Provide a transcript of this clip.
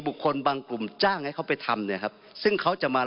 บางกลุ่มจ้างให้เขาไปทำเนี่ยครับซึ่งเขาจะมา